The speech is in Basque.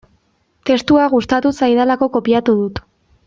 Testua gustatu zaidalako kopiatu dut.